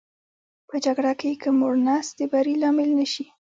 په جګړه کې که موړ نس د بري لامل نه شي.